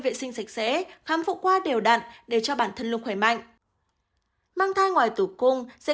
vệ sinh sạch sẽ khám phụ qua đều đặn để cho bản thân lung khỏe mạnh mang thai ngoài tử cung sẽ